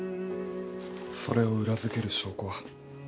それを裏付ける証拠は？